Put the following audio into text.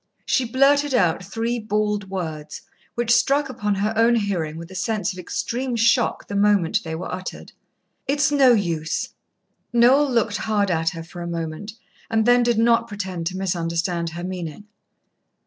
She blurted out three bald words which struck upon her own hearing with a sense of extreme shock the moment they were uttered. "It's no use." Noel looked hard at her for a moment, and then did not pretend to misunderstand her meaning.